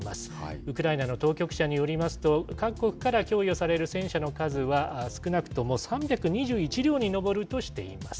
ウクライナの当局者によりますと、各国から供与される戦車の数は、少なくとも３２１両に上るとしています。